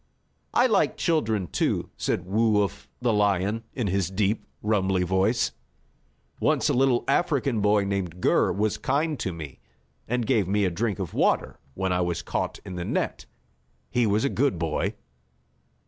"I like children, too," said Woo Uff, the lion, in his deep, rumbly voice. "Once a little African boy named Gur was kind to me, and gave me a drink of water when I was caught in the net. He was a good boy."